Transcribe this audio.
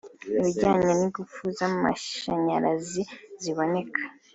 ibijyanye n’ingufu z’amashanyarazi ziboneka